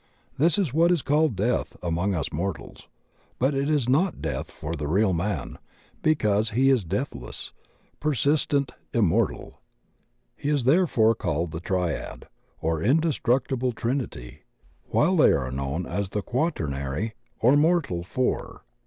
This is what is called '"death" among us mortals, but it is not death for the real man because he is deadiless, persistent, immortal. He is therefore called the Triad, or indestructible trinity, while they are known as the Quaternary or mortal four.